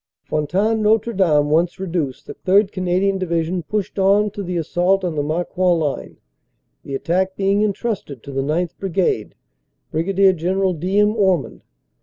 Fontaine Notre Dame once reduced, the 3rd. Canadian Division pushed on to the assault on the Marcoing line, the attack being entrusted to the 9th. Brigade, Brig. General D. M. Ormond.